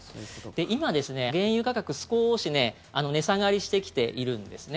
今、原油価格、少し値下がりしてきているんですね。